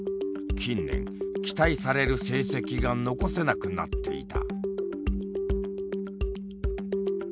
近年期待される成績が残せなくなっていた。